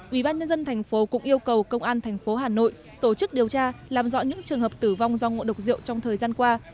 ủy ban nhân dân thành phố cũng yêu cầu công an thành phố hà nội tổ chức điều tra làm rõ những trường hợp tử vong do ngộ độc diệu trong thời gian qua